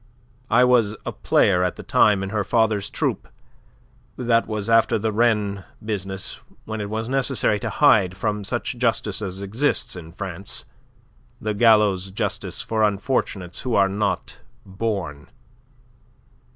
I was a player at the time in her father's troupe. That was after the Rennes business, when it was necessary to hide from such justice as exists in France the gallows' justice for unfortunates who are not 'born.